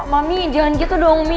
mami jangan gitu dong mie